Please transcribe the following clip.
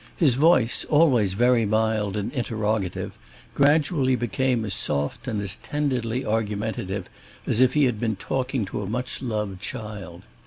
His voice, always very mild and interrogative, gradually became as soft and as tenderly argumentative as if he had been talking to a much loved child.